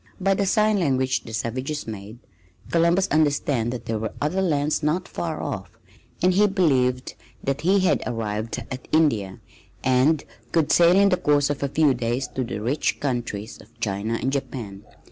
By the sign language the savages made Columbus understand that there were other lands not far off, and he believed that he had arrived at India and could sail in the course of a few days to the rich countries of China and Japan.